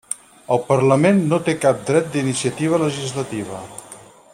El Parlament no té cap dret d'iniciativa legislativa.